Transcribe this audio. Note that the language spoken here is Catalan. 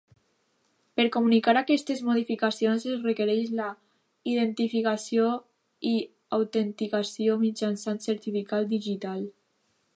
Per comunicar aquestes modificacions es requereix la identificació i autenticació mitjançant certificat digital.